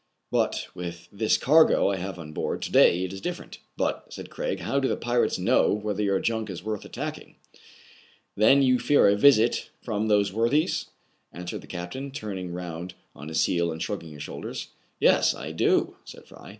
But, with this cargo I have on board to day, it is different. " But, said Craig, " how do the pirates know whether your junk is worth attacking ?*' "Then you fear a visit from those worthies.? answered the captain, turning round on his heel, and shrugging his shoulders. "Yes, I do, said Fry.